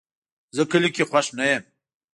زه کلي کې خوښ نه یم